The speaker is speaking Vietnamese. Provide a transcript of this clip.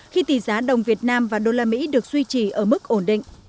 khi tỷ giá đồng việt nam và usd được duy trì ở mức ổn định